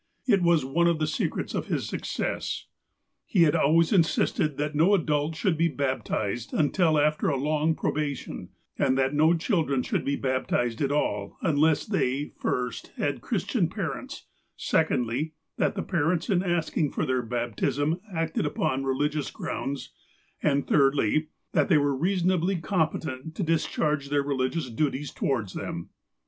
It was one of the secrets of his success. He had always insisted that no adult should be bap tized until after a long probation, and that no children should be baptized at all, unless they, first, had Christian parents ; secondly, that the parents in asking for their baptism acted upon religious grounds, and thirdly, that they were reasonably competent to discharge their relig ious duties towards them.